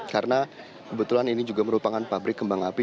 karena kebetulan ini juga merupakan pabrik kembang api